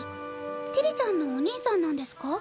ティリちゃんのお兄さんなんですか？